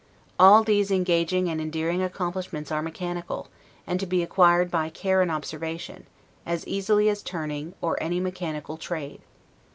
All these engaging and endearing accomplishments are mechanical, and to be acquired by care and observation, as easily as turning, or any mechanical trade.